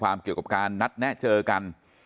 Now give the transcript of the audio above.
เกี่ยวกับการนัดแนะเจอกัน